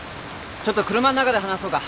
ちょっと車の中で話そうか。